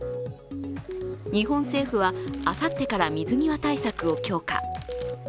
日本政府はあさってから水際対策を強化。